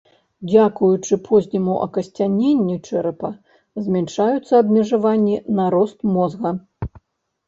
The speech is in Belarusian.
Дзякуючы позняму акасцяненню чэрапа змяншаюцца абмежаванні на рост мозга.